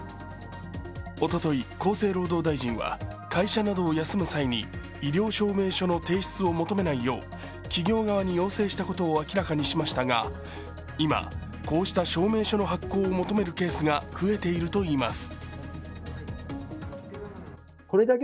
おととい厚生労働大臣は会社などを休む際に療養証明書の提出を求めないよう企業側に要請したことを明らかにしましたが今こうした証明書の発行を求めるケースが増えているといいます。